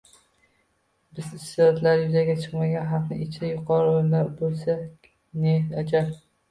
Biz iste’dodlari yuzaga chiqmagan xalqlar ichida yuqori o‘rinlarda bo‘lsak, ne ajab...